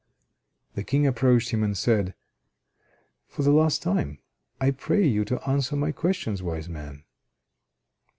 The King approached him, and said: "For the last time, I pray you to answer my questions, wise man."